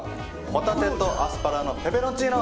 ホタテとアスパラのペペロンチーノ